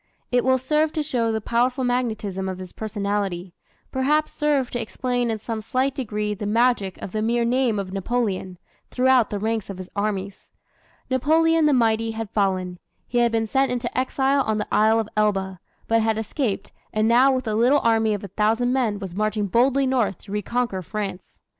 It will serve to show the powerful magnetism of his personality perhaps serve to explain in some slight degree the magic of the mere name of Napoleon, throughout the ranks of his armies. Napoleon the mighty had fallen. He had been sent into exile on the Isle of Elba, but had escaped, and now with a little army of a thousand men was marching boldly north to reconquer France.